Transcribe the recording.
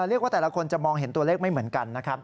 เรียกว่าแต่ละคนจะมองเห็นตัวเลขไม่เหมือนกันนะครับ